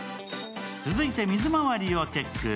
続いて水まわりをチェック。